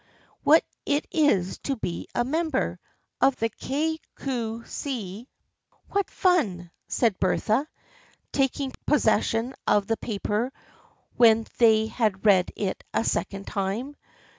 What it is to be a member Of the Kay Cue See." " What fun !" said Bertha, taking possession of the paper when they had read it a second time.